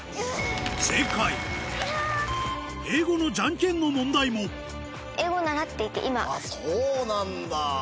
正解英語のじゃんけんの問題もそうなんだ。